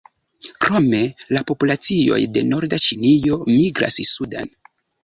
Krome la populacioj de norda Ĉinio migras suden.